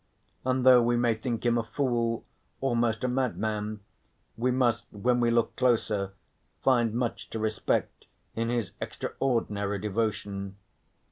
And though we may think him a fool, almost a madman, we must, when we look closer, find much to respect in his extraordinary devotion.